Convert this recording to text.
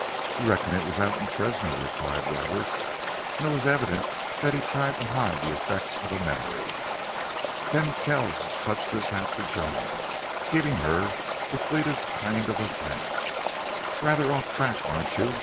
"Reckon it was out of Fresno," replied Roberts, and it was evident that he tried to hide the effect of a memory. Then Kells touched his hat to Joan, giving her the fleetest kind of a glance. "Rather off the track aren't you?"